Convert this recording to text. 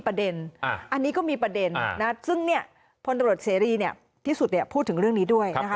อันนี้ก็มีประเด็นซึ่งพนตำรวจเซรีที่สุดพูดถึงเรื่องนี้ด้วย